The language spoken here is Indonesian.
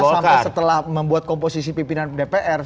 cukup lama mas sampai setelah membuat komposisi pimpinan dpr